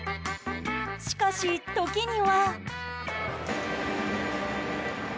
しかし時には。